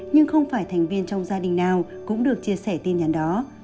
nhưng không phải thành viên trong gia đình nào cũng được chia sẻ tin nhắn đó